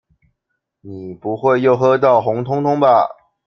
你不會又喝到紅通通吧？